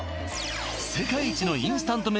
世界一のインスタント麺